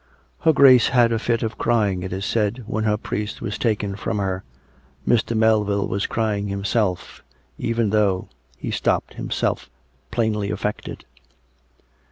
" Her Grace had a fit of crying, it is said, when her priest was taken from her. Mr. Melville was crying him self, even though " He stopped, himself plainly affected.